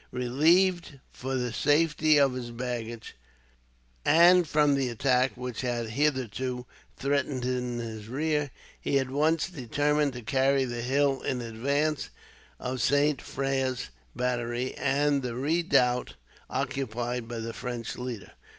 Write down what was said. Relieved for the safety of his baggage, and from the attack which had hitherto threatened in his rear, he at once determined to carry the hill in advance of Saint Frais's battery, and the redoubt occupied by the French leader.